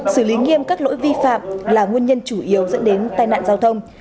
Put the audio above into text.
xử lý nghiêm các lỗi vi phạm là nguyên nhân chủ yếu dẫn đến tai nạn giao thông